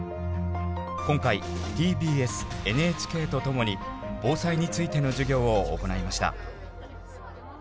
続いて今回ＴＢＳＮＨＫと共に防災についての授業を行いました。